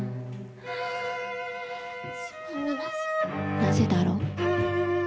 「なぜだろう。